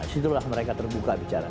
disitulah mereka terbuka bicara